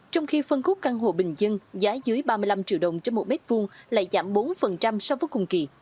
trong khi phân khúc căn hộ bình dân giá dưới ba mươi năm triệu đồng trên một mét vuông lại giảm bốn so với cùng kỳ